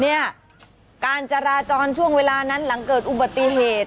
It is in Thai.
การจราจรช่วงเวลานั้นหลังเกิดอุบัติเหตุ